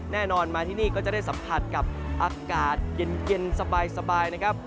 แน่นอนมาที่นี่ก็จะได้สัมผัสกับอากาศเย็นสบายนะครับ